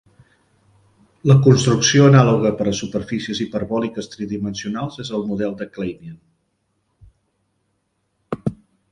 La construcció anàloga per a superfícies hiperbòliques tridimensionals es el model de Kleinian.